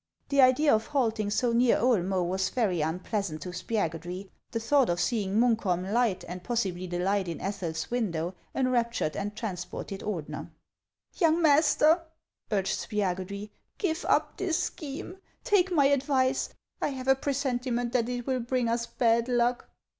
The idea of halting so near Oelmcy was very unpleasant to Spiagudry ; the thought of seeing Muiikholm light, and possibly the light in Ethel's window, enraptured and transported Ordener. " Young master," urged Spiagudry, " give up this scheme ; take my advice. I have a presentiment that it will bring us bad luck."